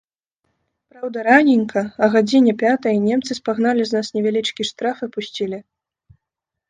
Праўда, раненька, а гадзіне пятай, немцы спагналі з нас невялічкі штраф і пусцілі.